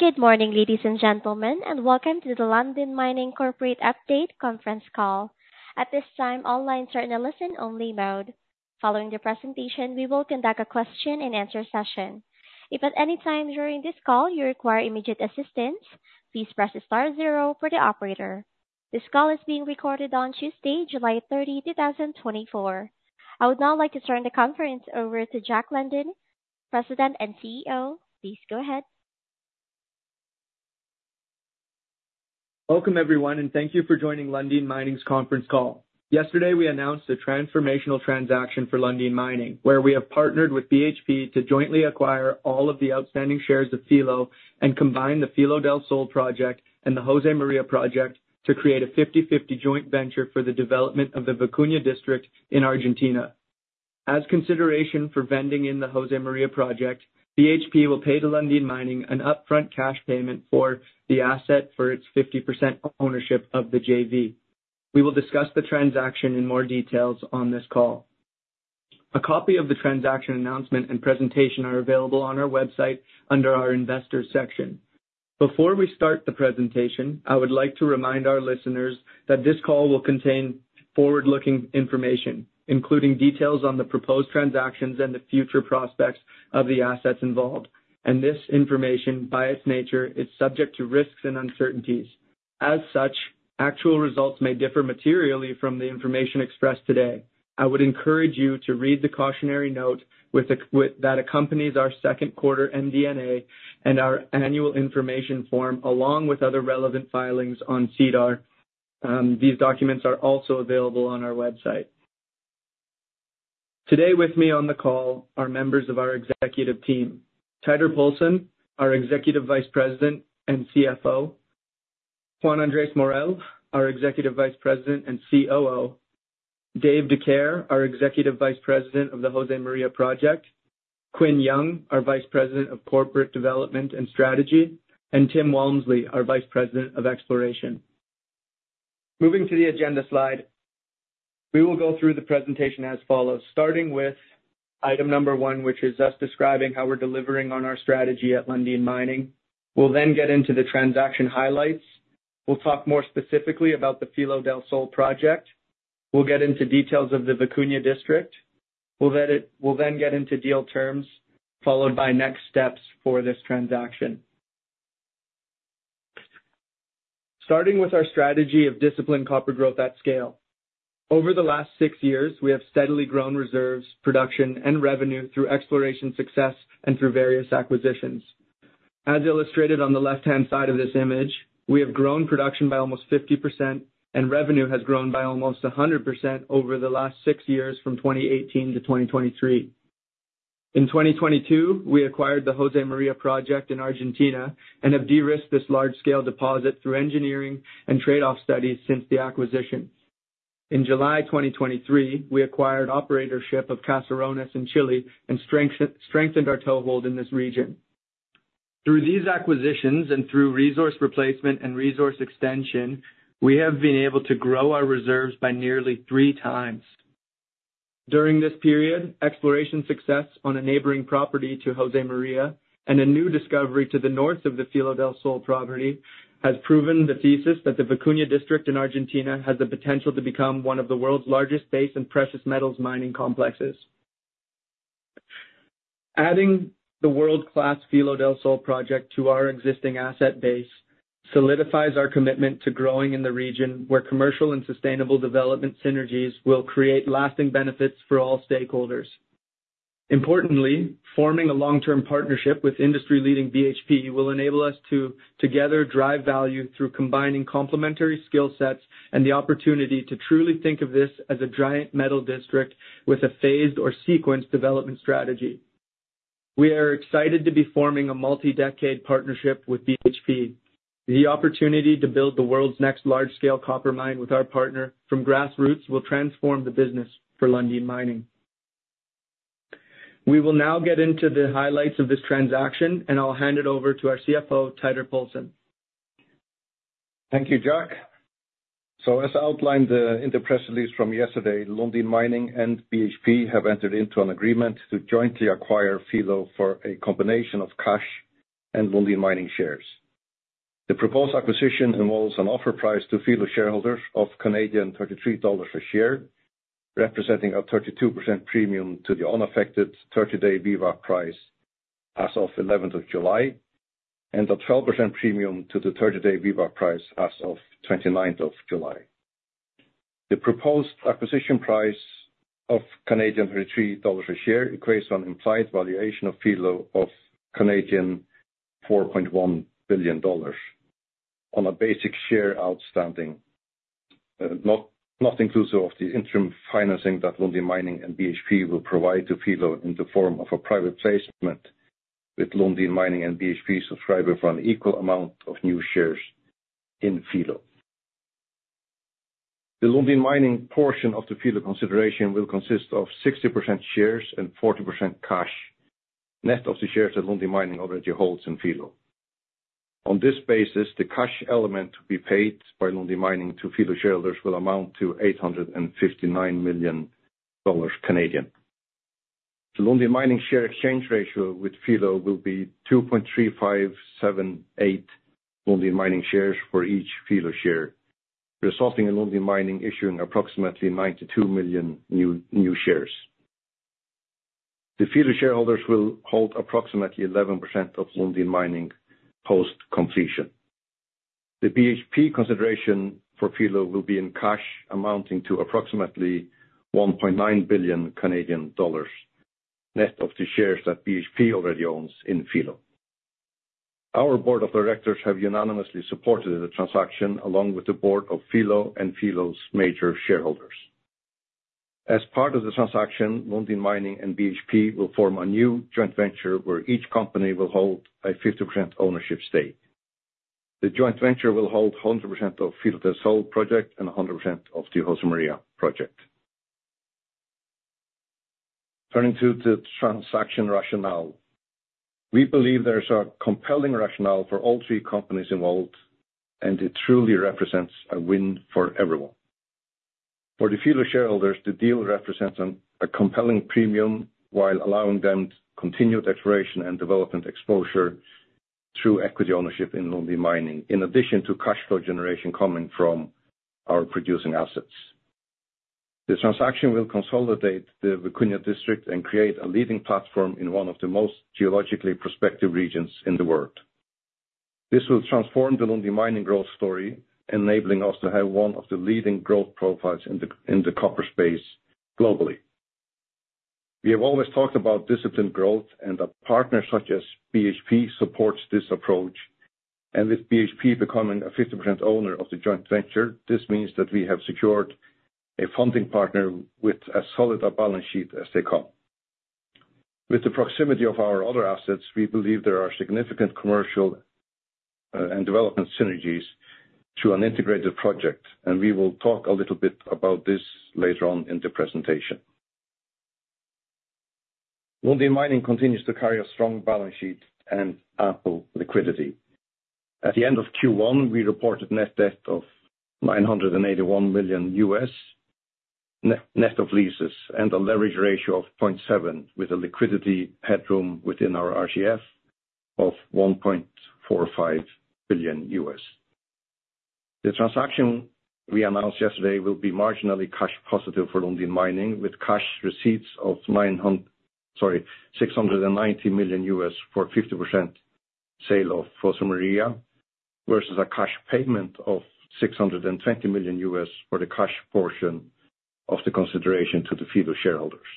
Good morning, ladies and gentlemen, and welcome to the Lundin Mining corporate update conference call. At this time all lines are on a listen-only mode. Following he presentation we will conduct a question-and-answer session. If at any time during this call you will require any assistance please star zero for the operator. This call is being recorded on Tuesday, July 30, 2024. I would now like to turn the conference over to Jack Lundin, President and CEO. Please go ahead. Welcome, everyone, and thank you for joining Lundin Mining's conference call. Yesterday, we announced a transformational transaction for Lundin Mining, where we have partnered with BHP to jointly acquire all of the outstanding shares of Filo and combine the Filo del Sol project and the Josemaria project to create a 50/50 joint venture for the development of the Vicuña District in Argentina. As consideration for vending in the Josemaria project, BHP will pay to Lundin Mining an upfront cash payment for the asset for its 50% ownership of the JV. We will discuss the transaction in more details on this call. A copy of the transaction announcement and presentation are available on our website under our investors section. Before we start the presentation, I would like to remind our listeners that this call will contain forward-looking information, including details on the proposed transactions and the future prospects of the assets involved. This information, by its nature, is subject to risks and uncertainties. As such, actual results may differ materially from the information expressed today. I would encourage you to read the cautionary note that accompanies our second quarter MD&A and our annual information form, along with other relevant filings on SEDAR. These documents are also available on our website. Today with me on the call are members of our executive team, Teitur Poulsen, our Executive Vice President and CFO, Juan Andrés Morel, our Executive Vice President and COO, Dave Dicaire, our Executive Vice President of the Josemaria Project, Quinn Yong, our Vice President of Corporate Development and Strategy, and Tim Walmsley, our Vice President of Exploration. Moving to the agenda slide. We will go through the presentation as follows, starting with item number one, which is us describing how we're delivering on our strategy at Lundin Mining. We'll get into the transaction highlights. We'll talk more specifically about the Filo del Sol project. We'll get into details of the Vicuña District. We'll get into deal terms, followed by next steps for this transaction. Starting with our strategy of disciplined copper growth at scale. Over the last six years, we have steadily grown reserves, production, and revenue through exploration success and through various acquisitions. As illustrated on the left-hand side of this image, we have grown production by almost 50%, and revenue has grown by almost 100% over the last six years from 2018-2023. In 2022, we acquired the Josemaria Project in Argentina and have de-risked this large-scale deposit through engineering and trade-off studies since the acquisition. In July 2023, we acquired operatorship of Caserones in Chile and strengthened our toehold in this region. Through these acquisitions and through resource replacement and resource extension, we have been able to grow our reserves by nearly 3x. During this period, exploration success on a neighboring property to Josemaria and a new discovery to the north of the Filo del Sol property has proven the thesis that the Vicuña District in Argentina has the potential to become one of the world's largest base and precious metals mining complexes. Adding the world-class Filo del Sol Project to our existing asset base solidifies our commitment to growing in the region where commercial and sustainable development synergies will create lasting benefits for all stakeholders. Importantly, forming a long-term partnership with industry-leading BHP will enable us to together drive value through combining complementary skill sets and the opportunity to truly think of this as a giant metal district with a phased or sequenced development strategy. We are excited to be forming a multi-decade partnership with BHP. The opportunity to build the world's next large-scale copper mine with our partner from grassroots will transform the business for Lundin Mining. We will now get into the highlights of this transaction, and I'll hand it over to our CFO, Teitur Poulsen. Thank you, Jack. As outlined in the press release from yesterday, Lundin Mining and BHP have entered into an agreement to jointly acquire Filo for a combination of cash and Lundin Mining shares. The proposed acquisition involves an offer price to Filo shareholders of 33 Canadian dollars a share, representing a 32% premium to the unaffected 30-day VWAP price as of 11 of July and a 12% premium to the 30-day VWAP price as of 29th of July. The proposed acquisition price of 33 Canadian dollars a share equates to an implied valuation of Filo of 4.1 billion Canadian dollars on a basic share outstanding, not inclusive of the interim financing that Lundin Mining and BHP will provide to Filo in the form of a private placement, with Lundin Mining and BHP subscribing for an equal amount of new shares in Filo. The Lundin Mining portion of the Filo consideration will consist of 60% shares and 40% cash, net of the shares that Lundin Mining already holds in Filo. On this basis, the cash element to be paid by Lundin Mining to Filo shareholders will amount to 859 million Canadian dollars. The Lundin Mining share exchange ratio with Filo will be 2.3578 Lundin Mining shares for each Filo share, resulting in Lundin Mining issuing approximately 92 million new shares. The Filo shareholders will hold approximately 11% of Lundin Mining post-completion. The BHP consideration for Filo will be in cash amounting to approximately 1.9 billion Canadian dollars, net of the shares that BHP already owns in Filo. Our board of directors have unanimously supported the transaction, along with the board of Filo and Filo's major shareholders. As part of the transaction, Lundin Mining and BHP will form a new joint venture where each company will hold a 50% ownership stake. The joint venture will hold 100% of Filo del Sol project and 100% of the Josemaria Project. Turning to the transaction rationale. We believe there's a compelling rationale for all three companies involved, and it truly represents a win for everyone. For the Filo shareholders, the deal represents a compelling premium while allowing them continued exploration and development exposure through equity ownership in Lundin Mining, in addition to cash flow generation coming from our producing assets. The transaction will consolidate the Vicuña district and create a leading platform in one of the most geologically prospective regions in the world. This will transform the Lundin Mining growth story, enabling us to have one of the leading growth profiles in the copper space globally. We have always talked about disciplined growth, and a partner such as BHP supports this approach. With BHP becoming a 50% owner of the joint venture, this means that we have secured a funding partner with as solid a balance sheet as they come. With the proximity of our other assets, we believe there are significant commercial and development synergies through an integrated project, and we will talk a little bit about this later on in the presentation. Lundin Mining continues to carry a strong balance sheet and ample liquidity. At the end of Q1, we reported net debt of $981 million, net of leases, and a leverage ratio of 0.7 with a liquidity headroom within our RCF of $1.45 billion. The transaction we announced yesterday will be marginally cash positive for Lundin Mining, with cash receipts of $690 million U.S. for 50% sale of Josemaria, versus a cash payment of $620 million U.S. for the cash portion of the consideration to the Filo shareholders.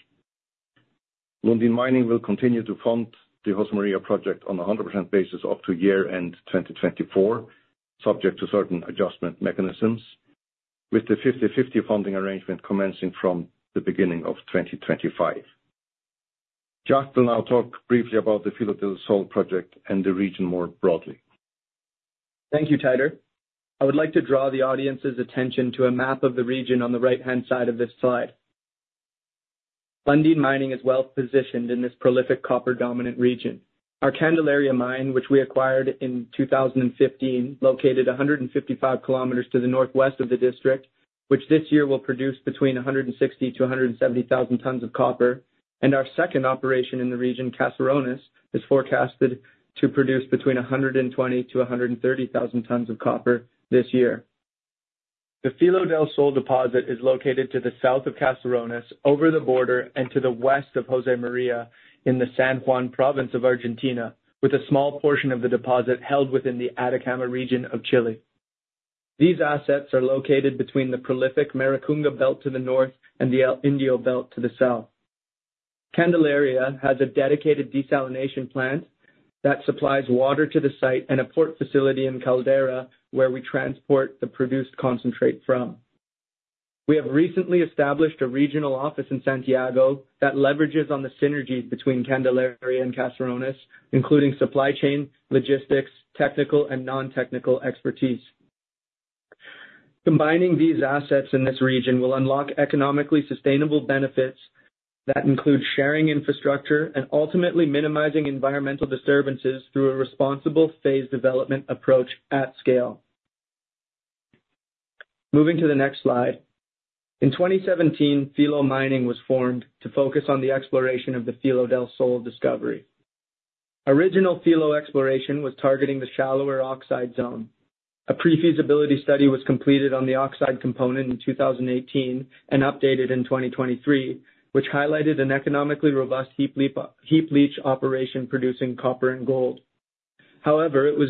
Lundin Mining will continue to fund the Josemaria project on a 100% basis up to year-end 2024, subject to certain adjustment mechanisms, with the 50/50 funding arrangement commencing from the beginning of 2025. Jack Lundin will now talk briefly about the Filo del Sol project and the region more broadly. Thank you, Teitur. I would like to draw the audience's attention to a map of the region on the right-hand side of this slide. Lundin Mining is well positioned in this prolific copper-dominant region. Our Candelaria mine, which we acquired in 2015, located 155 km to the northwest of the district, which this year will produce between 160,000-170,000 tons of copper. Our second operation in the region, Caserones, is forecasted to produce between 120,000-130,000 tons of copper this year. The Filo del Sol deposit is located to the south of Caserones, over the border, and to the west of Josemaria in the San Juan province of Argentina, with a small portion of the deposit held within the Atacama region of Chile. These assets are located between the prolific Maricunga Belt to the north and the El Indio Belt to the south. Candelaria has a dedicated desalination plant that supplies water to the site and a port facility in Caldera, where we transport the produced concentrate from. We have recently established a regional office in Santiago that leverages on the synergies between Candelaria and Caserones, including supply chain, logistics, technical and non-technical expertise. Combining these assets in this region will unlock economically sustainable benefits that include sharing infrastructure and ultimately minimizing environmental disturbances through a responsible phased development approach at scale. Moving to the next slide. In 2017, Filo Corp. was formed to focus on the exploration of the Filo del Sol discovery. Original Filo exploration was targeting the shallower oxide zone. A pre-feasibility study was completed on the oxide component in 2018 and updated in 2023, which highlighted an economically robust heap leach operation producing copper and gold. However, it was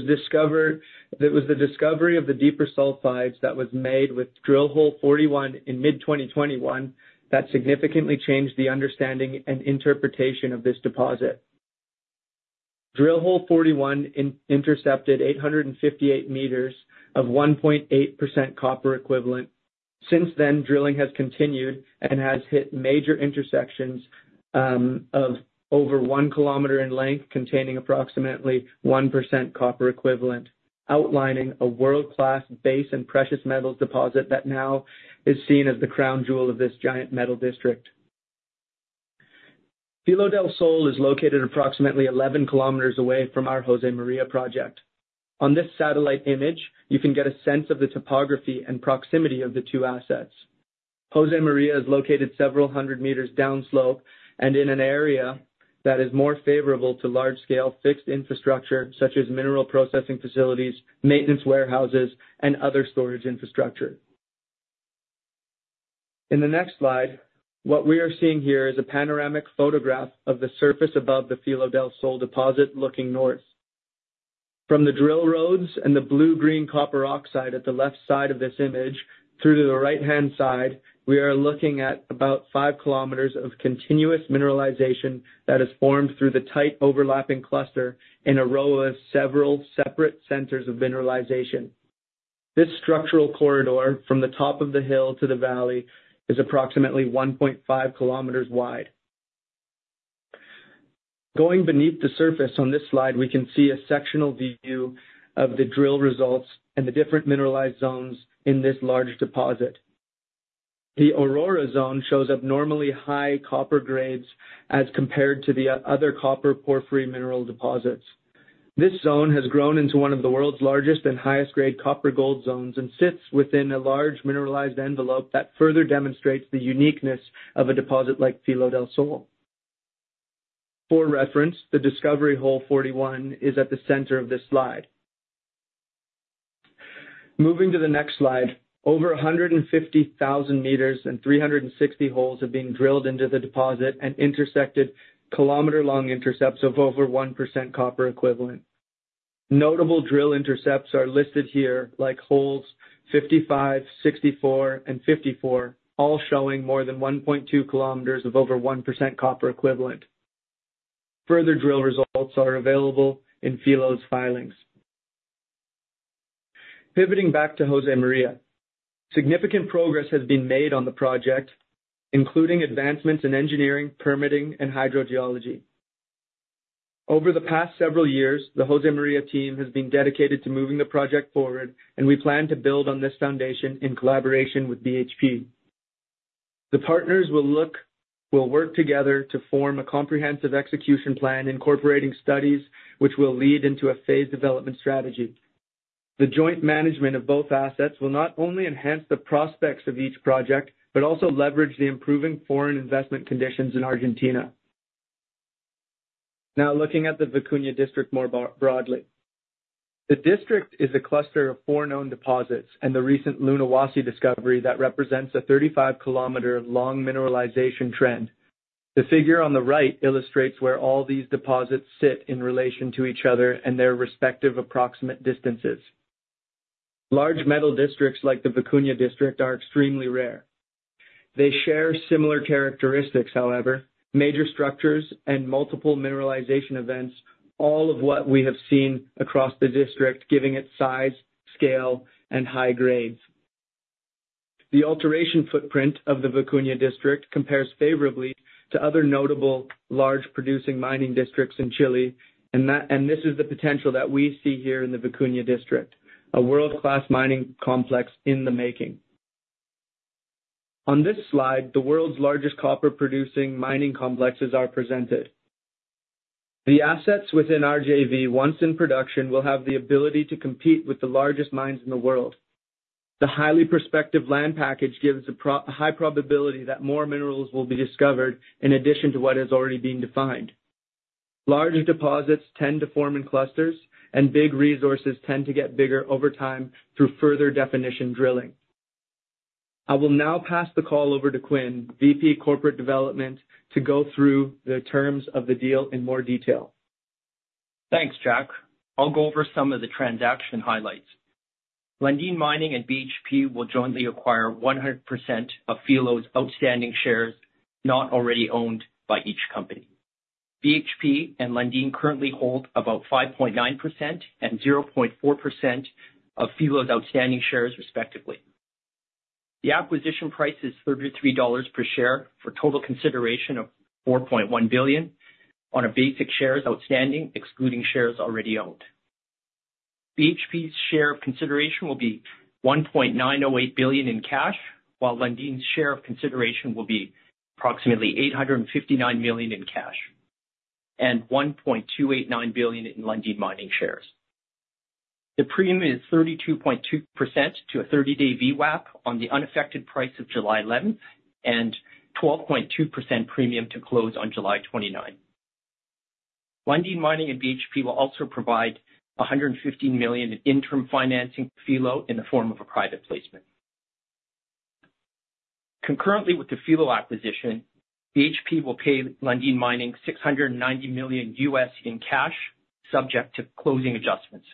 the discovery of the deeper sulfides that was made with drill hole 41 in mid-2021 that significantly changed the understanding and interpretation of this deposit. Drill hole 41 intercepted 858 m of 1.8% copper equivalent. Since then, drilling has continued and has hit major intersections of over one kilometer in length containing approximately 1% copper equivalent, outlining a world-class base and precious metals deposit that now is seen as the crown jewel of this giant metal district. Filo del Sol is located approximately 11 km away from our Josemaria project. On this satellite image, you can get a sense of the topography and proximity of the two assets. Josemaria is located several hundred meters downslope and in an area that is more favorable to large-scale fixed infrastructure such as mineral processing facilities, maintenance warehouses, and other storage infrastructure. In the next slide, what we are seeing here is a panoramic photograph of the surface above the Filo del Sol deposit looking north. From the drill roads and the blue-green copper oxide at the left side of this image through to the right-hand side, we are looking at about five kilometers of continuous mineralization that is formed through the tight overlapping cluster in a row of several separate centers of mineralization. This structural corridor from the top of the hill to the valley is approximately 1.5 km wide. Going beneath the surface on this slide, we can see a sectional view of the drill results and the different mineralized zones in this large deposit. The Aurora Zone shows abnormally high copper grades as compared to the other copper porphyry mineral deposits. This zone has grown into one of the world's largest and highest grade copper gold zones and sits within a large mineralized envelope that further demonstrates the uniqueness of a deposit like Filo del Sol. For reference, the discovery hole 41 is at the center of this slide. Moving to the next slide. Over 150,000 m and 360 holes have been drilled into the deposit and intersected kilometer-long intercepts of over 1% copper equivalent. Notable drill intercepts are listed here, like holes 55, 64, and 54, all showing more than 1.2 km of over 1% copper equivalent. Further drill results are available in Filo's filings. Pivoting back to Josemaria. Significant progress has been made on the project, including advancements in engineering, permitting, and hydrogeology. Over the past several years, the Josemaria team has been dedicated to moving the project forward, and we plan to build on this foundation in collaboration with BHP. The partners will work together to form a comprehensive execution plan incorporating studies which will lead into a phased development strategy. The joint management of both assets will not only enhance the prospects of each project, but also leverage the improving foreign investment conditions in Argentina. Now, looking at the Vicuña District more broadly. The district is a cluster of four known deposits, and the recent Luna Huasi discovery that represents a 35-km-long mineralization trend. The figure on the right illustrates where all these deposits sit in relation to each other and their respective approximate distances. Large metal districts like the Vicuña District are extremely rare. They share similar characteristics, however, major structures and multiple mineralization events, all of what we have seen across the district, giving it size, scale, and high grades. The alteration footprint of the Vicuña District compares favorably to other notable large producing mining districts in Chile, and this is the potential that we see here in the Vicuña District, a world-class mining complex in the making. On this slide, the world's largest copper-producing mining complexes are presented. The assets within our JV, once in production, will have the ability to compete with the largest mines in the world. The highly prospective land package gives a high probability that more minerals will be discovered in addition to what is already being defined. Larger deposits tend to form in clusters, and big resources tend to get bigger over time through further definition drilling. I will now pass the call over to Quinn, VP Corporate Development, to go through the terms of the deal in more detail. Thanks, Jack. I'll go over some of the transaction highlights. Lundin Mining and BHP will jointly acquire 100% of Filo's outstanding shares not already owned by each company. BHP and Lundin currently hold about 5.9% and 0.4% of Filo's outstanding shares, respectively. The acquisition price is 33 dollars per share for total consideration of 4.1 billion on a basic shares outstanding, excluding shares already owned. BHP's share of consideration will be 1.908 billion in cash, while Lundin's share of consideration will be approximately 859 million in cash and 1.289 billion in Lundin Mining shares. The premium is 32.2% to a 30-day VWAP on the unaffected price of July 11 and 12.2% premium to close on July 29. Lundin Mining and BHP will also provide 115 million in interim financing to Filo in the form of a private placement. Concurrently with the Filo acquisition, BHP will pay Lundin Mining $690 million in cash, subject to closing adjustments,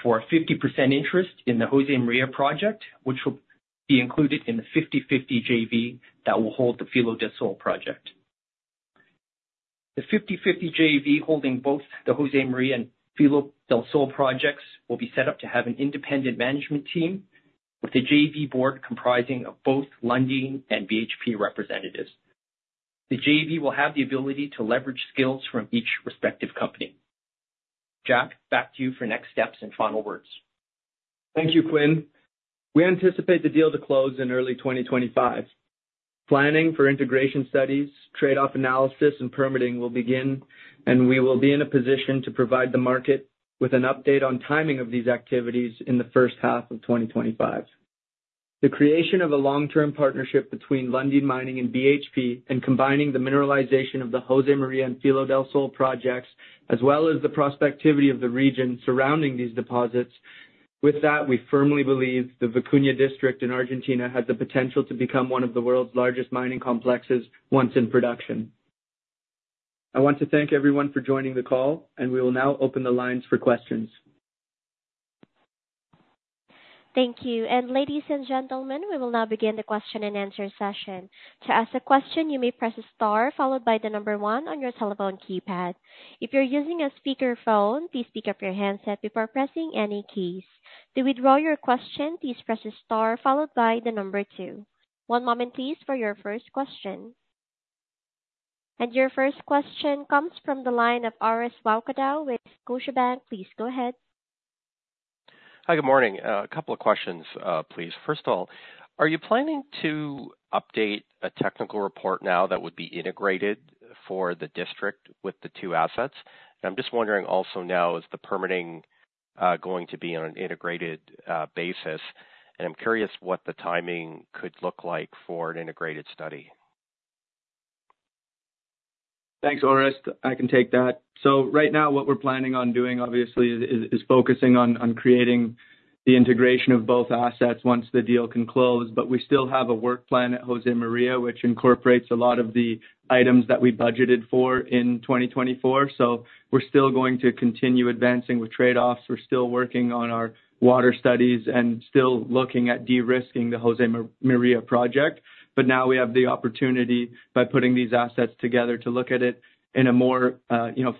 for a 50% interest in the Josemaria project, which will be included in the 50/50 JV that will hold the Filo del Sol project. The 50/50 JV holding both the Josemaria and Filo del Sol projects will be set up to have an independent management team with a JV board comprising of both Lundin and BHP representatives. The JV will have the ability to leverage skills from each respective company. Jack, back to you for next steps and final words. Thank you, Quinn. We anticipate the deal to close in early 2025. Planning for integration studies, trade-off analysis, and permitting will begin, and we will be in a position to provide the market with an update on timing of these activities in the first half of 2025. The creation of a long-term partnership between Lundin Mining and BHP, and combining the mineralization of the Josemaria and Filo del Sol projects, as well as the prospectivity of the region surrounding these deposits. With that, we firmly believe the Vicuña district in Argentina has the potential to become one of the world's largest mining complexes once in production. I want to thank everyone for joining the call, and we will now open the lines for questions. Thank you. And ladies and gentlemen, we will now begin the question-and-answer session. To ask a question you may press star followed by the number one on your telephone keypad. If you are using a speaker phone please pick up your handset before pressing any keys. To withdraw your question please press star followed by the number two. Your first question comes from the line of Orest Wowkodaw with Scotiabank. Please go ahead. Hi. Good morning. A couple of questions, please. First of all, are you planning to update a technical report now that would be integrated for the district with the two assets? I'm just wondering also now, is the permitting going to be on an integrated basis? I'm curious what the timing could look like for an integrated study. Thanks, Orest. Right now, what we're planning on doing obviously is focusing on creating the integration of both assets once the deal can close. We still have a work plan at Josemaria, which incorporates a lot of the items that we budgeted for in 2024. We're still going to continue advancing with trade-offs. We're still working on our water studies and still looking at de-risking the Josemaria project. Now we have the opportunity, by putting these assets together, to look at it in a more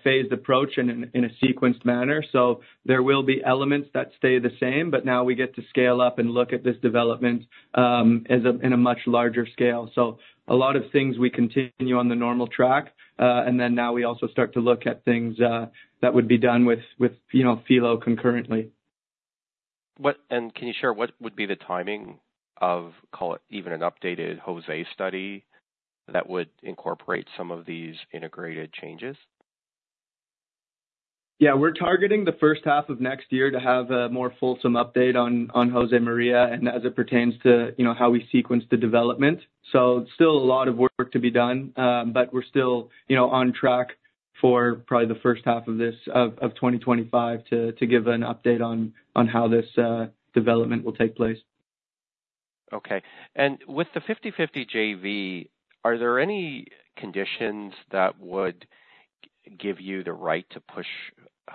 phased approach and in a sequenced manner. There will be elements that stay the same, but now we get to scale up and look at this development in a much larger scale. A lot of things we continue on the normal track, and then now we also start to look at things that would be done with Filo concurrently. Can you share what would be the timing of, call it even an updated Jose study that would incorporate some of these integrated changes? Yeah. We're targeting the first half of next year to have a more fulsome update on Josemaria and as it pertains to how we sequence the development. Still a lot of work to be done, but we're still on track for probably the first half of 2025 to give an update on how this development will take place. Okay. With the 50/50 JV, are there any conditions that would give you the right to push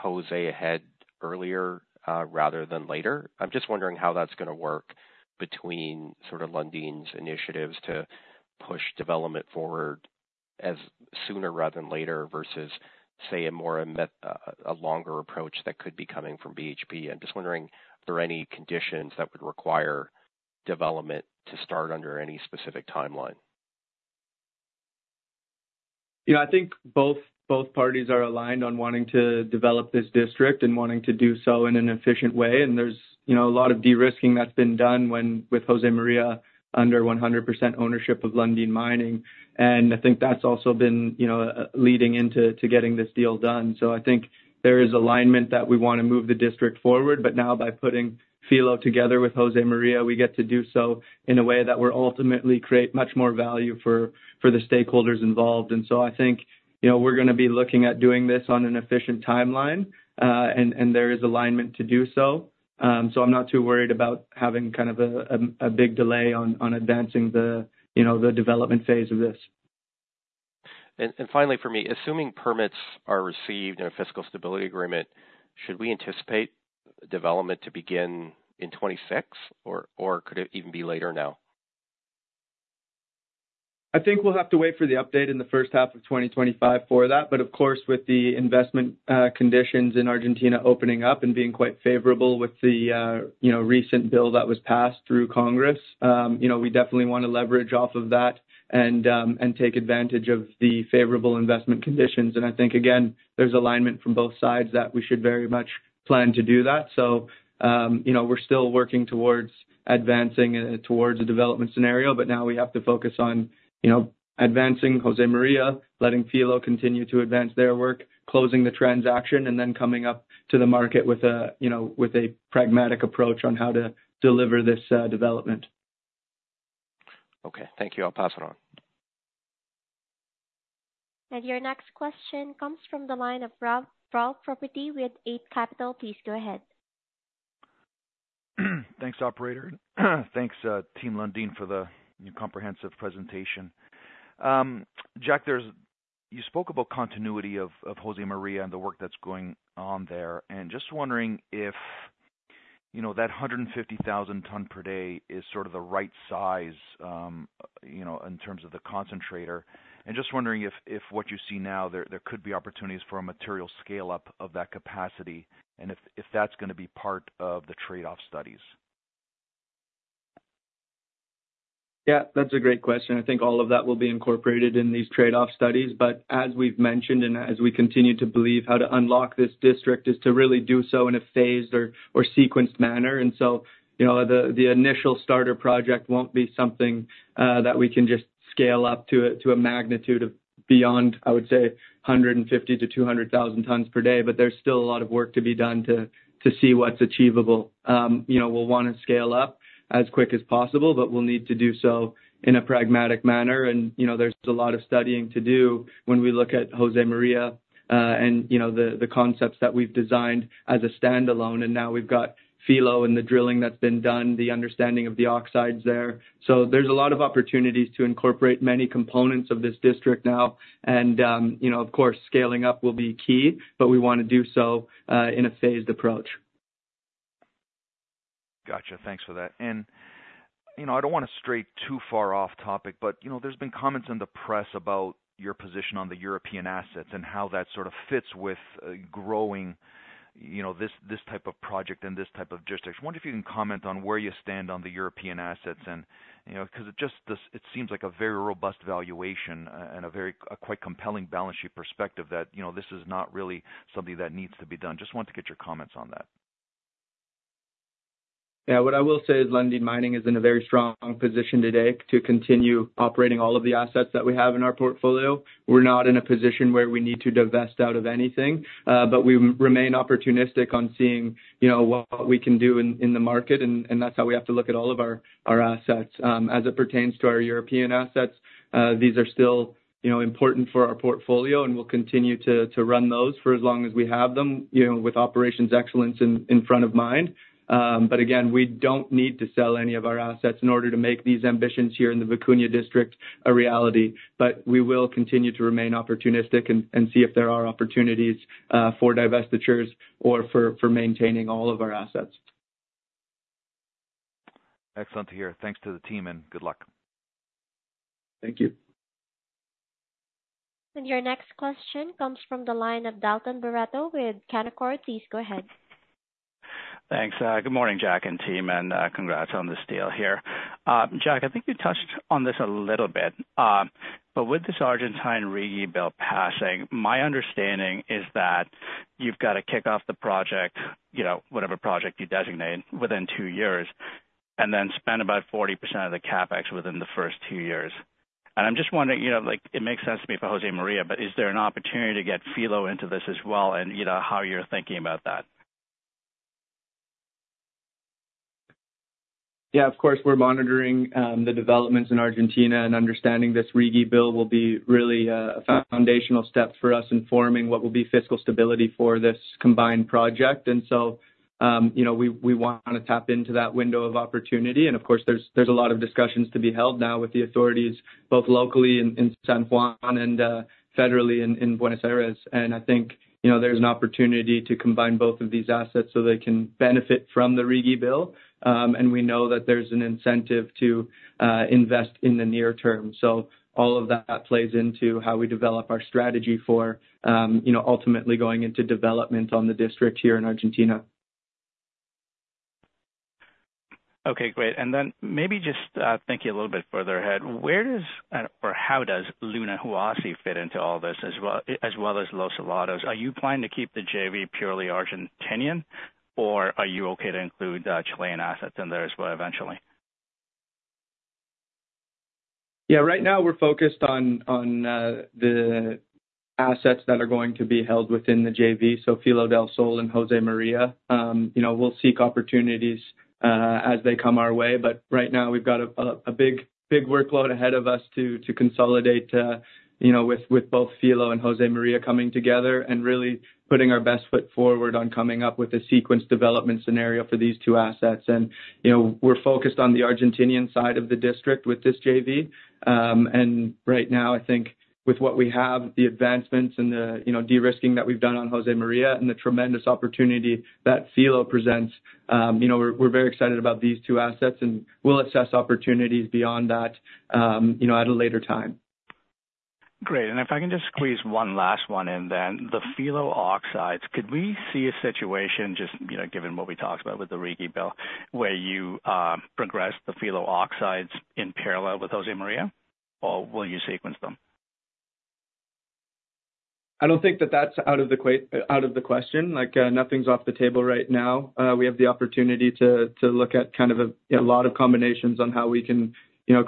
Josemaria ahead earlier rather than later? I'm just wondering how that's going to work between sort of Lundin's initiatives to push development forward as sooner rather than later, versus, say, a longer approach that could be coming from BHP. I'm just wondering if there are any conditions that would require development to start under any specific timeline. Yeah, I think both parties are aligned on wanting to develop this district and wanting to do so in an efficient way. There's a lot of de-risking that's been done with Josemaria under 100% ownership of Lundin Mining. I think that's also been leading into getting this deal done. I think there is alignment that we want to move the district forward, but now by putting Filo together with Josemaria, we get to do so in a way that will ultimately create much more value for the stakeholders involved. I think we're going to be looking at doing this on an efficient timeline, and there is alignment to do so. I'm not too worried about having a big delay on advancing the development phase of this. Finally for me, assuming permits are received in a fiscal stability agreement, should we anticipate development to begin in 2026, or could it even be later now? I think we'll have to wait for the update in the first half of 2025 for that. Of course, with the investment conditions in Argentina opening up and being quite favorable with the recent bill that was passed through Congress, we definitely want to leverage off of that and take advantage of the favorable investment conditions. I think, again, there's alignment from both sides that we should very much plan to do that. We're still working towards advancing towards a development scenario, but now we have to focus on advancing Josemaria, letting Filo continue to advance their work, closing the transaction, and then coming up to the market with a pragmatic approach on how to deliver this development. Okay. Thank you. I'll pass it on. Your next question comes from the line of Ralph Profiti with Eight Capital. Please go ahead. Thanks, operator. Thanks, Team Lundin, for the comprehensive presentation. Jack, you spoke about continuity of Josemaria and the work that's going on there. Just wondering if that 150,000 ton per day is sort of the right size in terms of the concentrator. Just wondering if what you see now, there could be opportunities for a material scale-up of that capacity, and if that's going to be part of the trade-off studies. Yeah, that's a great question. I think all of that will be incorporated in these trade-off studies. As we've mentioned, and as we continue to believe how to unlock this district is to really do so in a phased or sequenced manner. The initial starter project won't be something that we can just scale up to a magnitude of beyond, I would say, 150,000 tons-200,000 tons per day. There's still a lot of work to be done to see what's achievable. We'll want to scale up as quick as possible, but we'll need to do so in a pragmatic manner. There's a lot of studying to do when we look at Josemaria, and the concepts that we've designed as a standalone. Now we've got Filo and the drilling that's been done, the understanding of the oxides there. There's a lot of opportunities to incorporate many components of this district now. Of course, scaling up will be key, but we want to do so in a phased approach. Got you. Thanks for that. I don't want to stray too far off topic, but there's been comments in the press about your position on the European assets and how that sort of fits with growing this type of project and this type of jurisdiction. Wonder if you can comment on where you stand on the European assets and, because it just seems like a very robust valuation and a quite compelling balance sheet perspective that this is not really something that needs to be done. Just want to get your comments on that. What I will say is Lundin Mining is in a very strong position today to continue operating all of the assets that we have in our portfolio. We're not in a position where we need to divest out of anything. We remain opportunistic on seeing what we can do in the market, and that's how we have to look at all of our assets. As it pertains to our European assets, these are still important for our portfolio, and we'll continue to run those for as long as we have them, with operations excellence in front of mind. Again, we don't need to sell any of our assets in order to make these ambitions here in the Vicuña district a reality. We will continue to remain opportunistic and see if there are opportunities for divestitures or for maintaining all of our assets. Excellent to hear. Thanks to the team, and good luck. Thank you. Your next question comes from the line of Dalton Baretto with Canaccord. Please go ahead. Thanks. Good morning, Jack and team, and congrats on this deal here. Jack, I think you touched on this a little bit. With this Argentine RIGI bill passing, my understanding is that you've got to kick off the project, whatever project you designate, within two years, and then spend about 40% of the CapEx within the first two years. I'm just wondering, it makes sense to me for Josemaria, but is there an opportunity to get Filo into this as well and how you're thinking about that? Yeah, of course, we're monitoring the developments in Argentina and understanding this RIGI Bill will be really a foundational step for us in forming what will be fiscal stability for this combined project. We want to tap into that window of opportunity. Of course, there's a lot of discussions to be held now with the authorities, both locally in San Juan and federally in Buenos Aires. I think, there's an opportunity to combine both of these assets so they can benefit from the RIGI Bill. We know that there's an incentive to invest in the near term. All of that plays into how we develop our strategy for ultimately going into development on the district here in Argentina. Okay, great. Maybe just thinking a little bit further ahead, how does Luna Huasi fit into all this as well as Los Alamos? Are you planning to keep the JV purely Argentinian, or are you okay to include Chilean assets in there as well eventually? Yeah. Right now we're focused on the assets that are going to be held within the JV, so Filo del Sol and Josemaria. Right now we've got a big workload ahead of us to consolidate with both Filo and Josemaria coming together and really putting our best foot forward on coming up with a sequence development scenario for these two assets. We're focused on the Argentinian side of the district with this JV. Right now, I think with what we have, the advancements and the de-risking that we've done on Josemaria and the tremendous opportunity that Filo presents, we're very excited about these two assets, and we'll assess opportunities beyond that at a later time. Great. If I can just squeeze one last one in then. The Filo oxides, could we see a situation just given what we talked about with the RIGI bill, where you progress the Filo oxides in parallel with Josemaria, or will you sequence them? I don't think that that's out of the question. Nothing's off the table right now. We have the opportunity to look at a lot of combinations on how we can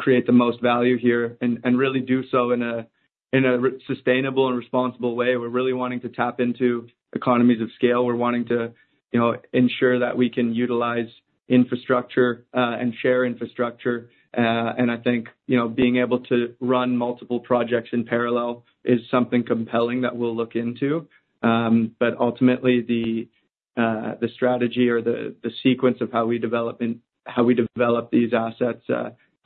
create the most value here and really do so in a sustainable and responsible way. We're really wanting to tap into economies of scale. We're wanting to ensure that we can utilize infrastructure and share infrastructure. I think being able to run multiple projects in parallel is something compelling that we'll look into. Ultimately the strategy or the sequence of how we develop these assets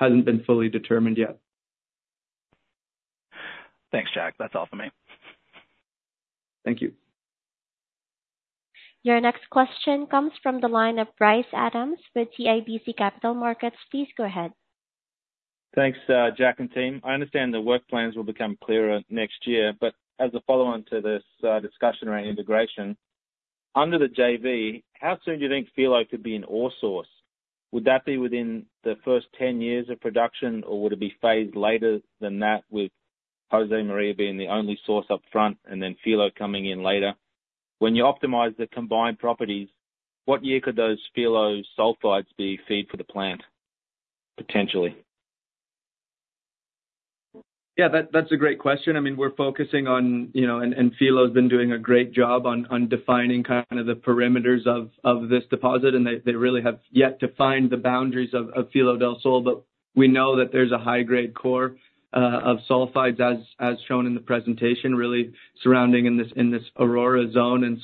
hasn't been fully determined yet. Thanks, Jack. That's all for me. Thank you. Your next question comes from the line of Bryce Adams with CIBC Capital Markets. Please go ahead. Thanks, Jack and team. I understand the work plans will become clearer next year, but as a follow-on to this discussion around integration under the JV, how soon do you think Filo could be an ore source? Would that be within the first 10 years of production, or would it be phased later than that with Josemaria being the only source up front and then Filo coming in later? When you optimize the combined properties, what year could those Filo sulfides be feed for the plant potentially? Yeah, that's a great question. We're focusing on, Filo's been doing a great job on defining the perimeters of this deposit, and they really have yet to find the boundaries of Filo del Sol. We know that there's a high-grade core of sulfides, as shown in the presentation, really surrounding in this Aurora zone.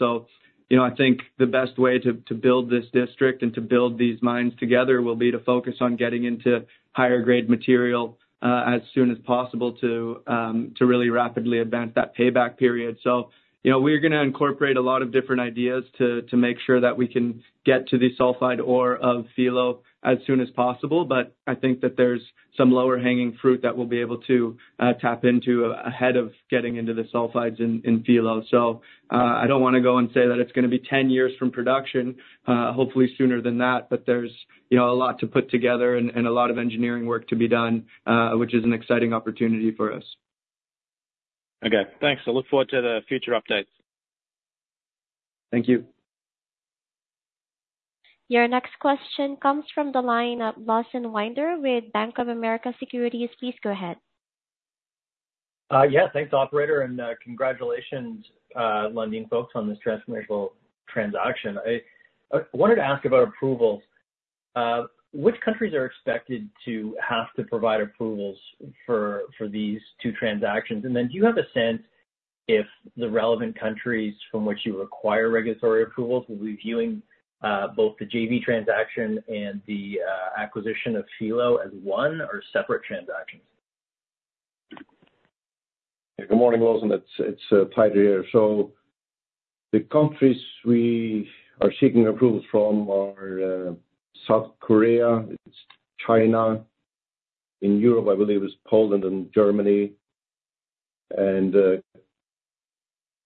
I think the best way to build this district and to build these mines together will be to focus on getting into higher grade material, as soon as possible to really rapidly advance that payback period. We're going to incorporate a lot of different ideas to make sure that we can get to the sulfide ore of Filo as soon as possible. I think that there's some lower-hanging fruit that we'll be able to tap into ahead of getting into the sulfides in Filo. I don't want to go and say that it's going to be 10 years from production. Hopefully sooner than that, but there's a lot to put together and a lot of engineering work to be done, which is an exciting opportunity for us. Okay, thanks. I look forward to the future updates. Thank you. Your next question comes from the line of Lawson Winder with Bank of America Securities. Please go ahead. Yeah. Thanks, operator, and congratulations, Lundin folks, on this transformable transaction. I wanted to ask about approvals. Which countries are expected to have to provide approvals for these two transactions? Do you have a sense if the relevant countries from which you require regulatory approvals will be viewing both the JV transaction and the acquisition of Filo as one or separate transactions? Good morning, Lawson. It's Teitur here. The countries we are seeking approvals from are South Korea, it's China, in Europe, I believe it's Poland and Germany, and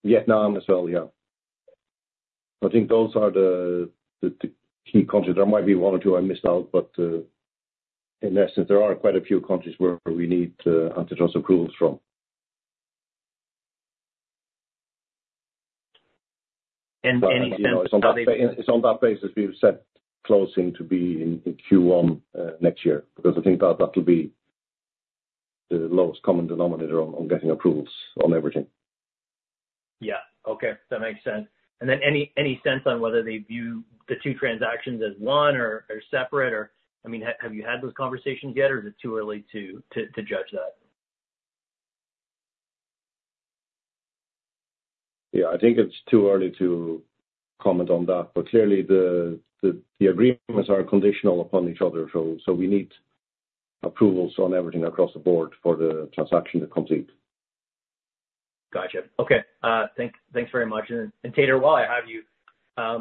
Vietnam as well. I think those are the key countries. There might be one or two I missed out, but in essence, there are quite a few countries where we need antitrust approvals from. And any sense- It's on that basis we've set closing to be in Q1 next year, because I think that will be the lowest common denominator on getting approvals on everything. Yeah. Okay. That makes sense. Then any sense on whether they view the two transactions as one or separate? Have you had those conversations yet, or is it too early to judge that? Yeah, I think it's too early to comment on that. Clearly, the agreements are conditional upon each other, so we need approvals on everything across the board for the transaction to complete. Got you. Okay. Thanks very much. Teitur, while I have you, I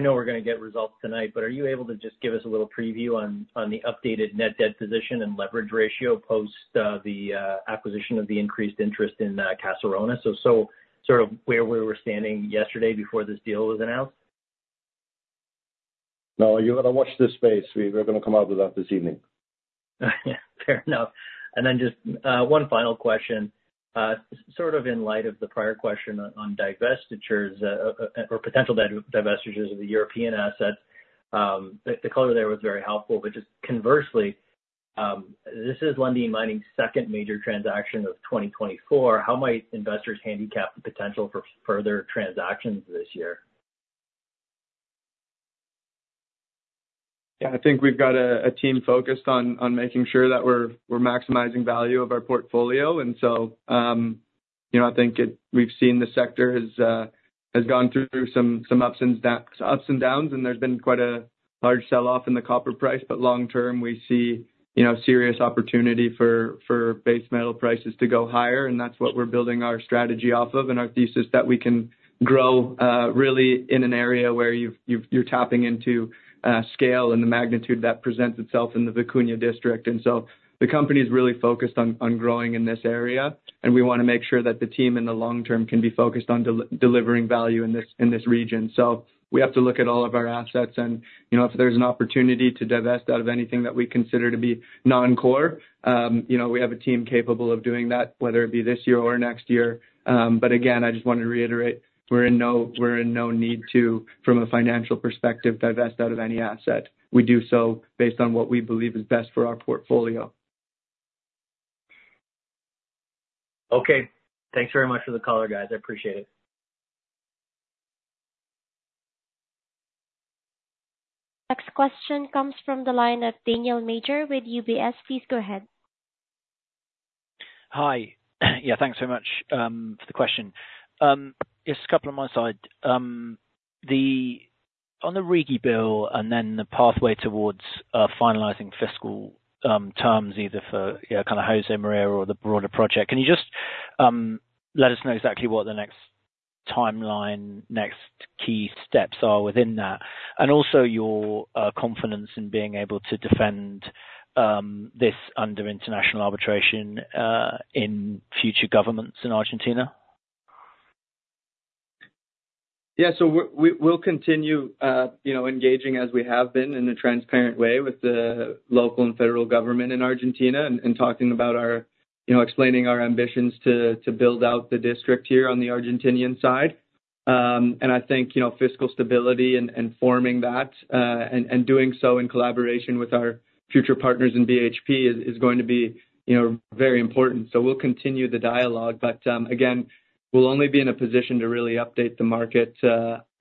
know we're going to get results tonight, but are you able to just give us a little preview on the updated net debt position and leverage ratio post the acquisition of the increased interest in Caserones? Sort of where we were standing yesterday before this deal was announced. No, you got to watch this space. We're going to come out with that this evening. Yeah, fair enough. Just one final question, sort of in light of the prior question on divestitures or potential divestitures of the European assets. The color there was very helpful, just conversely, this is Lundin Mining's second major transaction of 2024. How might investors handicap the potential for further transactions this year? Yeah, I think we've got a team focused on making sure that we're maximizing value of our portfolio. I think we've seen the sector has gone through some ups and downs, and there's been quite a large sell-off in the copper price. Long-term, we see serious opportunity for base metal prices to go higher, and that's what we're building our strategy off of and our thesis that we can grow, really in an area where you're tapping into scale and the magnitude that presents itself in the Vicuña district. The company's really focused on growing in this area, and we want to make sure that the team in the long-term can be focused on delivering value in this region. We have to look at all of our assets and, if there's an opportunity to divest out of anything that we consider to be non-core, we have a team capable of doing that, whether it be this year or next year. Again, I just want to reiterate, we're in no need to, from a financial perspective, divest out of any asset. We do so based on what we believe is best for our portfolio. Okay. Thanks very much for the color, guys. I appreciate it. Next question comes from the line of Daniel Major with UBS. Please go ahead. Hi. Yeah, thanks so much for the question. Just a couple of on my side. On the RIGI bill and then the pathway towards finalizing fiscal terms either for Josemaria or the broader project, can you just let us know exactly what the next timeline, next key steps are within that? Also your confidence in being able to defend this under international arbitration in future governments in Argentina? Yeah. We'll continue engaging as we have been in a transparent way with the local and federal government in Argentina and explaining our ambitions to build out the district here on the Argentinian side. I think, fiscal stability and forming that, and doing so in collaboration with our future partners in BHP is going to be very important. We'll continue the dialogue, but again, we'll only be in a position to really update the market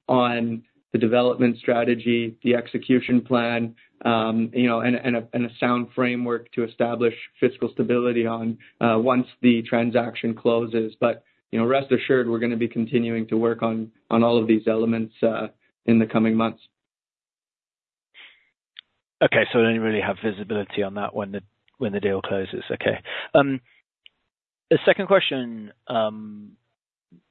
on the development strategy, the execution plan, and a sound framework to establish fiscal stability on once the transaction closes. Rest assured, we're going to be continuing to work on all of these elements in the coming months. Okay. You really have visibility on that when the deal closes. Okay. The second question,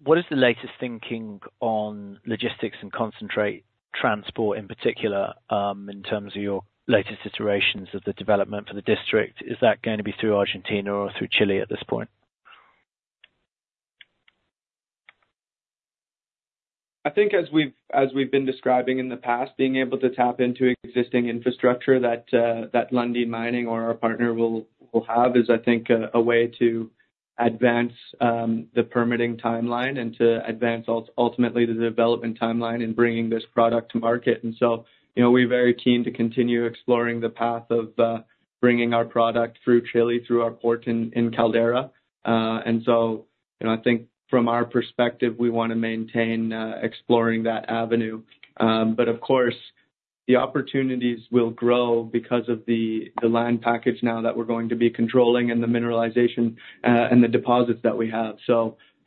what is the latest thinking on logistics and concentrate transport in particular, in terms of your latest iterations of the development for the district? Is that going to be through Argentina or through Chile at this point? I think as we've been describing in the past, being able to tap into existing infrastructure that Lundin Mining or our partner will have is, I think, a way to advance the permitting timeline and to advance, ultimately, the development timeline in bringing this product to market. We're very keen to continue exploring the path of bringing our product through Chile, through our port in Caldera. I think from our perspective, we want to maintain exploring that avenue. Of course, the opportunities will grow because of the land package now that we're going to be controlling and the mineralization, and the deposits that we have.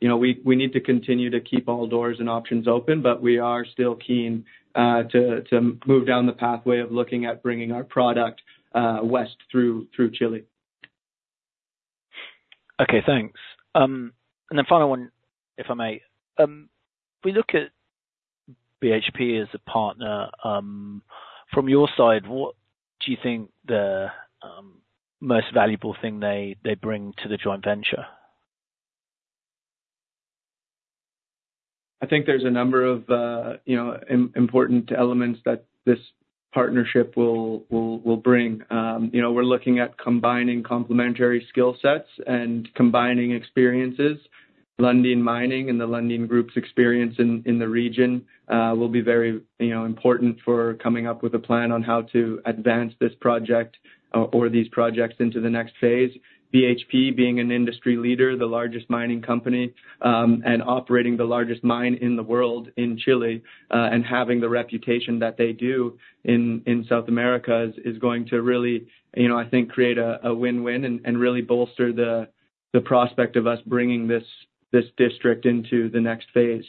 We need to continue to keep all doors and options open, but we are still keen to move down the pathway of looking at bringing our product west through Chile. Okay, thanks. Final one, if I may. We look at BHP as a partner. From your side, what do you think the most valuable thing they bring to the joint venture? I think there's a number of important elements that this partnership will bring. We're looking at combining complementary skill sets and combining experiences. Lundin Mining and the Lundin Group's experience in the region will be very important for coming up with a plan on how to advance this project, or these projects into the next phase. BHP being an industry leader, the largest mining company, and operating the largest mine in the world in Chile, and having the reputation that they do in South America is going to really, I think, create a win-win and really bolster the prospect of us bringing this district into the next phase.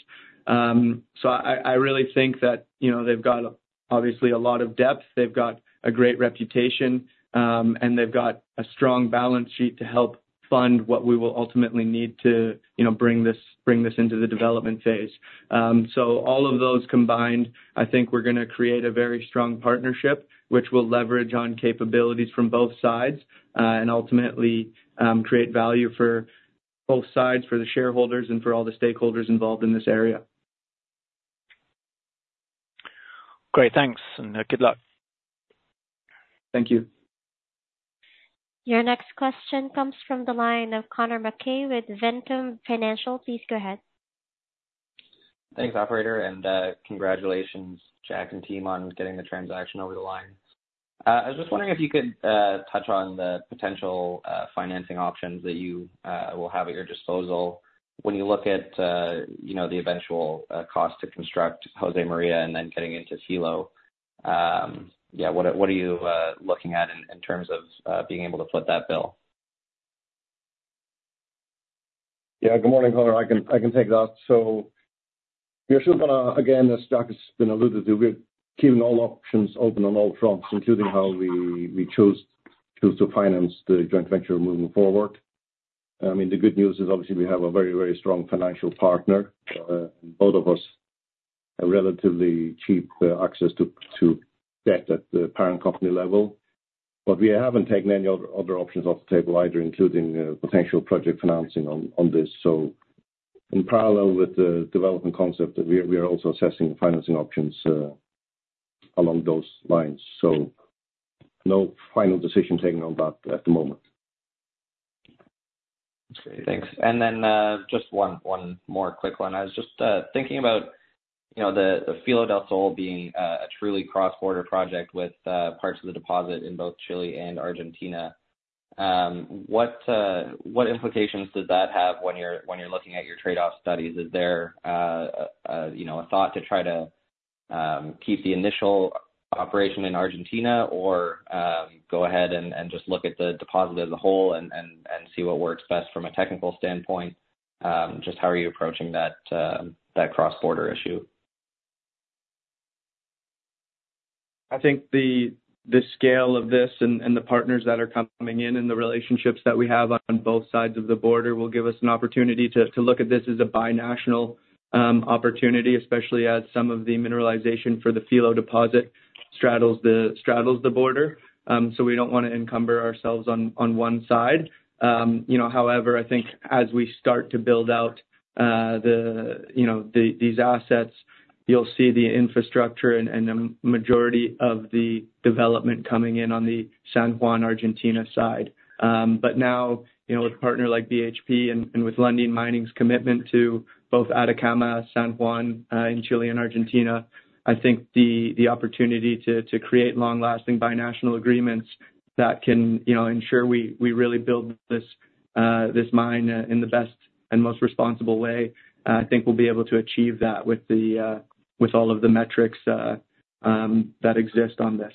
I really think that they've got, obviously, a lot of depth, they've got a great reputation, and they've got a strong balance sheet to help fund what we will ultimately need to bring this into the development phase. All of those combined, I think we're going to create a very strong partnership, which will leverage on capabilities from both sides, and ultimately, create value for both sides, for the shareholders, and for all the stakeholders involved in this area. Great, thanks, and good luck. Thank you. Your next question comes from the line of Connor Mackay with Ventum Financial. Please go ahead. Thanks, operator. Congratulations, Jack and team, on getting the transaction over the line. I was just wondering if you could touch on the potential financing options that you will have at your disposal when you look at the eventual cost to construct Josemaria and then getting into Filo. What are you looking at in terms of being able to foot that bill? Yeah. Good morning, Connor. I can take that. We're still going to, again, as Jack has been alluded to, we're keeping all options open on all fronts, including how we choose to finance the joint venture moving forward. The good news is, obviously, we have a very strong financial partner. Both of us have relatively cheap access to debt at the parent company level, but we haven't taken any other options off the table either, including potential project financing on this. In parallel with the development concept, we are also assessing the financing options along those lines. No final decision taken on that at the moment. Thanks. Just one more quick one. I was just thinking about the Filo del Sol being a truly cross-border project with parts of the deposit in both Chile and Argentina. What implications does that have when you're looking at your trade-off studies? Is there a thought to try to keep the initial operation in Argentina or go ahead and just look at the deposit as a whole and see what works best from a technical standpoint? Just how are you approaching that cross-border issue? I think the scale of this and the partners that are coming in and the relationships that we have on both sides of the border will give us an opportunity to look at this as a binational opportunity, especially as some of the mineralization for the Filo deposit straddles the border. We don't want to encumber ourselves on one side. I think as we start to build out these assets, you'll see the infrastructure and the majority of the development coming in on the San Juan, Argentina side. Now, with a partner like BHP and with Lundin Mining's commitment to both Atacama, San Juan, and Chile and Argentina, I think the opportunity to create long-lasting binational agreements that can ensure we really build this mine in the best and most responsible way, I think we'll be able to achieve that with all of the metrics that exist on this.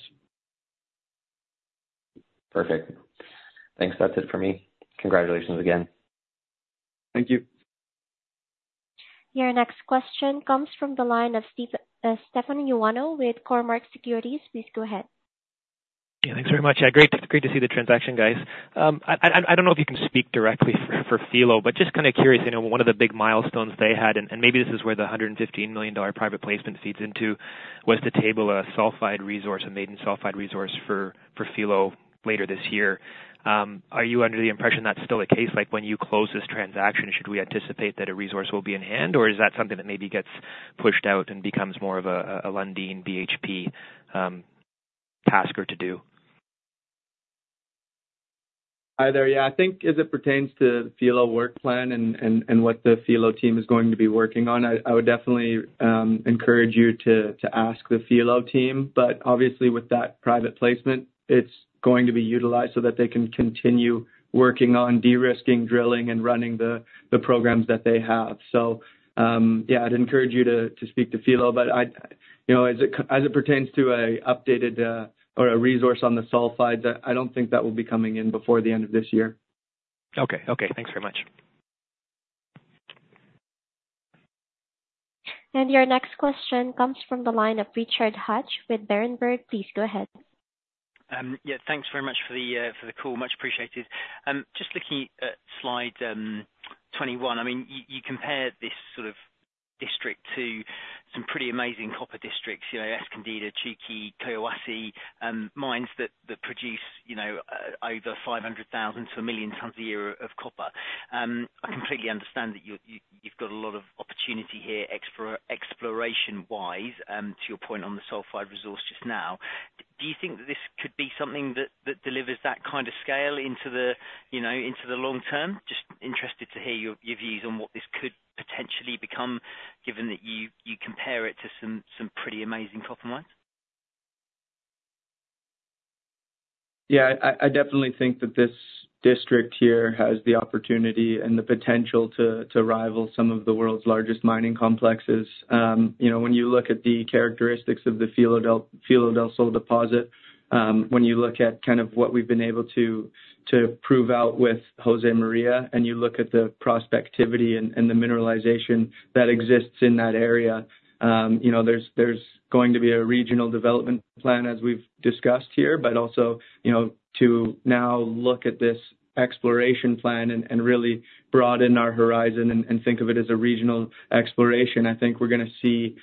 Perfect. Thanks. That's it for me. Congratulations again. Thank you. Your next question comes from the line of Stefan Ioannou with Cormark Securities. Please go ahead. Yeah, thanks very much. Great to see the transaction, guys. I don't know if you can speak directly for Filo, but just kind of curious, one of the big milestones they had, and maybe this is where the 115 million dollar private placement feeds into, was to table a sulfide resource, a maiden sulfide resource for Filo later this year. Are you under the impression that's still the case? When you close this transaction, should we anticipate that a resource will be in hand, or is that something that maybe gets pushed out and becomes more of a Lundin-BHP task or to-do? Hi there. Yeah, I think as it pertains to the Filo work plan and what the Filo team is going to be working on, I would definitely encourage you to ask the Filo team. Obviously with that private placement, it's going to be utilized so that they can continue working on de-risking, drilling, and running the programs that they have. Yeah, I'd encourage you to speak to Filo, but as it pertains to a updated or a resource on the sulfide, I don't think that will be coming in before the end of this year. Okay. Thanks very much. Your next question comes from the line of Richard Hatch with Berenberg. Please go ahead. Yeah, thanks very much for the call. Much appreciated. Just looking at slide 21, you compare this sort of district to some pretty amazing copper districts, Escondida, Chuquicamata, Collahuasi, mines that produce over 500,000 tons-1 million tons a year of copper. I completely understand that you've got a lot of opportunity here exploration-wise, to your point on the sulfide resource just now. Do you think that this could be something that delivers that kind of scale into the long term? Just interested to hear your views on what this could potentially become, given that you compare it to some pretty amazing copper mines. Yeah, I definitely think that this district here has the opportunity and the potential to rival some of the world's largest mining complexes. When you look at the characteristics of the Filo del Sol deposit, when you look at kind of what we've been able to prove out with Josemaria, and you look at the prospectivity and the mineralization that exists in that area, there's going to be a regional development plan, as we've discussed here, but also to now look at this exploration plan and really broaden our horizon and think of it as a regional exploration. I think we're going to see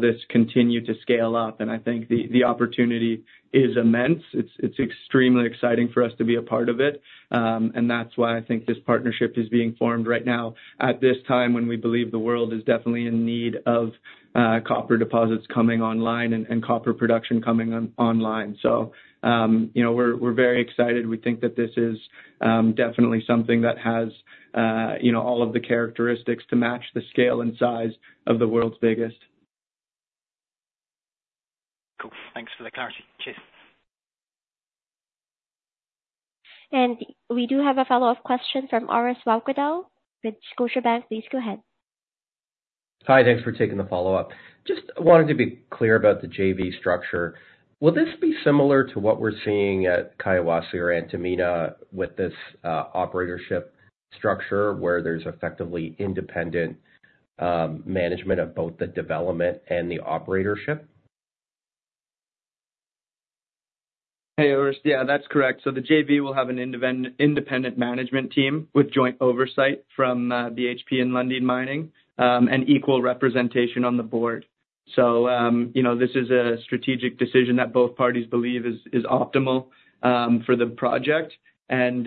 this continue to scale up, and I think the opportunity is immense. It's extremely exciting for us to be a part of it. That's why I think this partnership is being formed right now at this time when we believe the world is definitely in need of copper deposits coming online and copper production coming online. We're very excited. We think that this is definitely something that has all of the characteristics to match the scale and size of the world's biggest. Cool. Thanks for the clarity. Cheers. We do have a follow-up question from Orest Wowkodaw with Scotiabank. Please go ahead. Hi, thanks for taking the follow-up. Just wanted to be clear about the JV structure. Will this be similar to what we're seeing at Collahuasi or Antamina with this operatorship structure where there's effectively independent management of both the development and the operatorship? Hey, Orest. Yeah, that's correct. The JV will have an independent management team with joint oversight from BHP and Lundin Mining, and equal representation on the board. This is a strategic decision that both parties believe is optimal for the project. As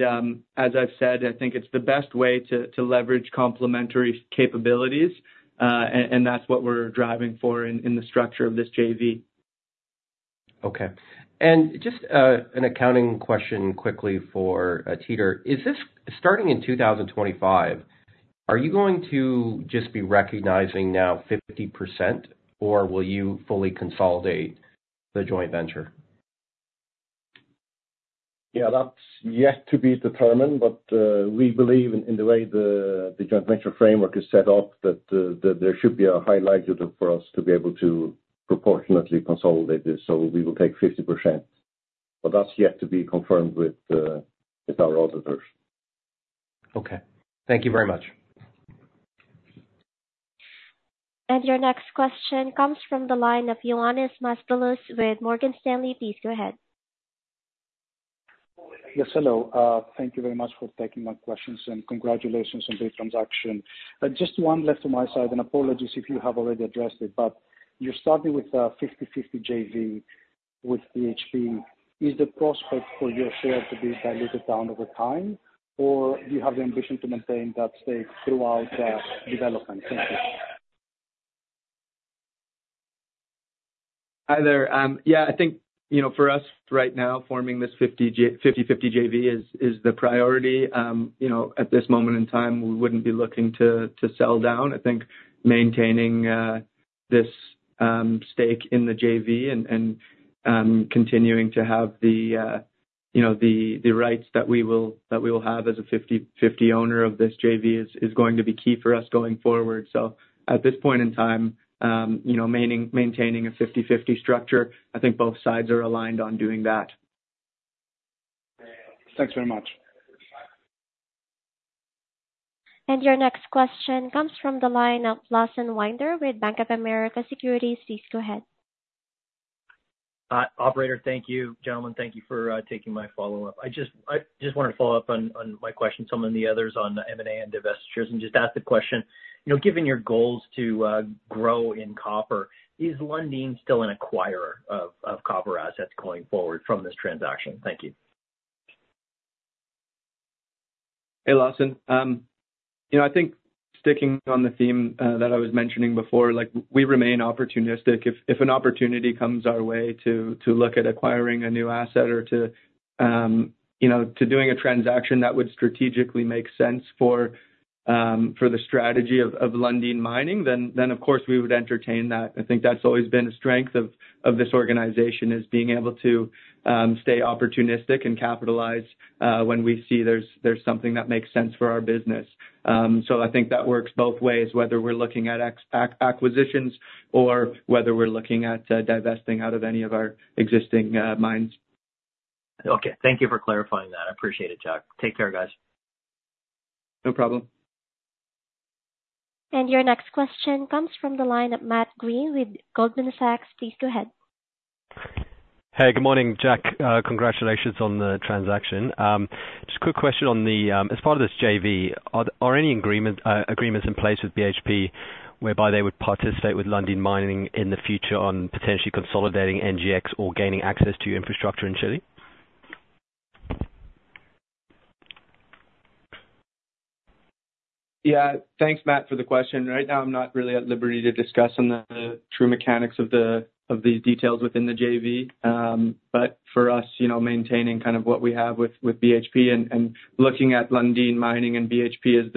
I've said, I think it's the best way to leverage complementary capabilities. That's what we're driving for in the structure of this JV. Okay. Just an accounting question quickly for Teitur. Starting in 2025, are you going to just be recognizing now 50%, or will you fully consolidate the joint venture? Yeah, that's yet to be determined, but we believe in the way the joint venture framework is set up, that there should be a high likelihood for us to be able to proportionately consolidate this. We will take 50%, but that's yet to be confirmed with our auditors. Okay. Thank you very much. Your next question comes from the line of Ioannis Masvoulas with Morgan Stanley. Please go ahead. Yes, hello. Thank you very much for taking my questions, and congratulations on the transaction. Just one left on my side, and apologies if you have already addressed it, but you're starting with a 50/50 JV with BHP. Is the prospect for your share to be diluted down over time, or do you have the ambition to maintain that stake throughout the development? Thank you. Hi there. Yeah, I think for us right now, forming this 50/50 JV is the priority. At this moment in time, we wouldn't be looking to sell down. I think maintaining this stake in the JV and continuing to have the rights that we will have as a 50/50 owner of this JV is going to be key for us going forward. At this point in time, maintaining a 50/50 structure, I think both sides are aligned on doing that. Thanks very much. Your next question comes from the line of Lawson Winder with Bank of America Securities. Please go ahead. Hi, operator. Thank you. Gentlemen, thank you for taking my follow-up. I just want to follow up on my question to some of the others on the M&A and divestitures, and just ask the question, given your goals to grow in copper, is Lundin still an acquirer of copper assets going forward from this transaction? Thank you. Hey, Lawson. I think sticking on the theme that I was mentioning before, we remain opportunistic. If an opportunity comes our way to look at acquiring a new asset or to doing a transaction that would strategically make sense for the strategy of Lundin Mining, then of course, we would entertain that. I think that's always been a strength of this organization, is being able to stay opportunistic and capitalize when we see there's something that makes sense for our business. I think that works both ways, whether we're looking at acquisitions or whether we're looking at divesting out of any of our existing mines. Okay. Thank you for clarifying that. I appreciate it, Jack. Take care, guys. No problem. Your next question comes from the line of Matt Greene with Goldman Sachs. Please go ahead. Hey, good morning, Jack. Congratulations on the transaction. Just a quick question. As part of this JV, are any agreements in place with BHP whereby they would participate with Lundin Mining in the future on potentially consolidating NGEx or gaining access to infrastructure in Chile? Thanks, Matt, for the question. Right now, I'm not really at liberty to discuss on the true mechanics of these details within the JV. For us, maintaining what we have with BHP and looking at Lundin Mining and BHP as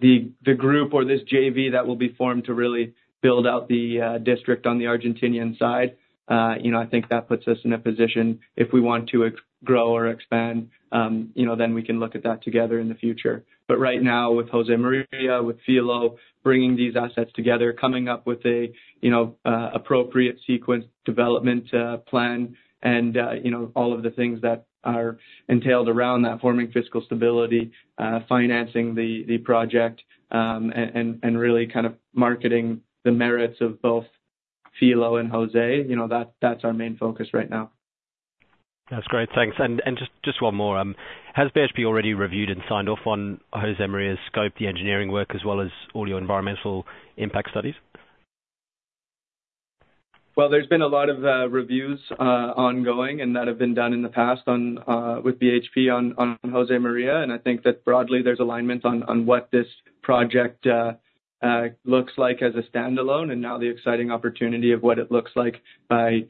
the group or this JV that will be formed to really build out the district on the Argentinian side. I think that puts us in a position if we want to grow or expand, then we can look at that together in the future. Right now with Josemaria, with Filo, bringing these assets together, coming up with a appropriate sequence development plan and all of the things that are entailed around that, forming fiscal stability, financing the project, and really kind of marketing the merits of both Filo and Josemaria. That's our main focus right now. That's great. Thanks. Just one more. Has BHP already reviewed and signed off on Josemaria's scope, the engineering work, as well as all your environmental impact studies? Well, there's been a lot of reviews ongoing and that have been done in the past with BHP on Josemaria, and I think that broadly there's alignment on what this project looks like as a standalone and now the exciting opportunity of what it looks like by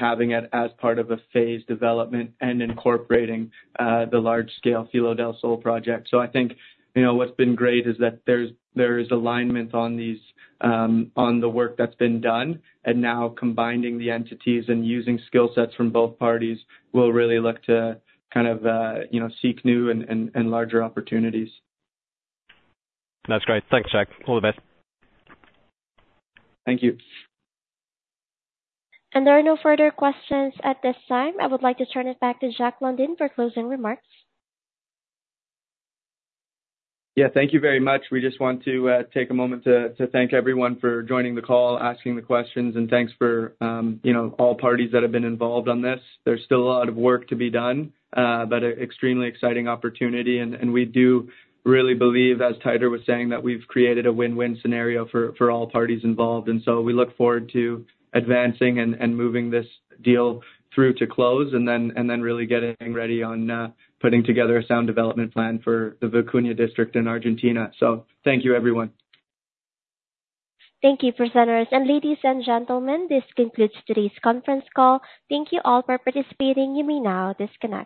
having it as part of a phased development and incorporating the large-scale Filo del Sol project. I think what's been great is that there is alignment on the work that's been done and now combining the entities and using skill sets from both parties will really look to seek new and larger opportunities. That's great. Thanks, Jack. All the best. Thank you. There are no further questions at this time. I would like to turn it back to Jack Lundin for closing remarks. Yeah. Thank you very much. We just want to take a moment to thank everyone for joining the call, asking the questions, and thanks for all parties that have been involved on this. There's still a lot of work to be done, but extremely exciting opportunity. We do really believe, as Teitur was saying, that we've created a win-win scenario for all parties involved. We look forward to advancing and moving this deal through to close and then really getting ready on putting together a sound development plan for the Vicuña District in Argentina. Thank you, everyone. Thank you, presenters. Ladies and gentlemen, this concludes today's conference call. Thank you all for participating. You may now disconnect.